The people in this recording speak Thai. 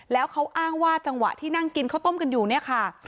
แล้วเขาอ้างว่าจังหวะที่นั่งกินข้าวต้มกันอยู่เนี่ยค่ะ